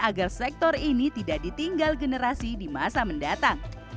agar sektor ini tidak ditinggal generasi di masa mendatang